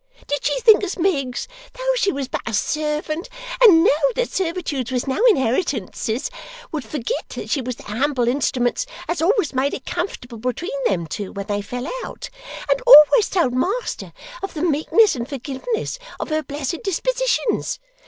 Did she think as Miggs, though she was but a servant, and knowed that servitudes was no inheritances, would forgit that she was the humble instruments as always made it comfortable between them two when they fell out, and always told master of the meekness and forgiveness of her blessed dispositions!